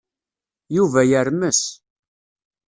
Yuba yermes.